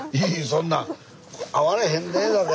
そんな会われへんで。